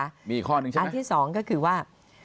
อันที่สองก็คือว่า